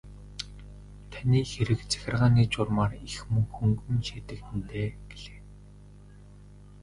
Таны хэрэг захиргааны журмаар их хөнгөн шийдэгдэнэ гэлээ.